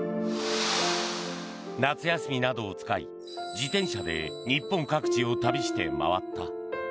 夏休みなどを使い、自転車で日本各地を旅して回った。